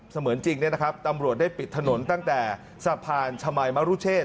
เสมือนจริงเนี่ยนะครับตำรวจได้ปิดถนนตั้งแต่สะพานชมายมรุชเชษ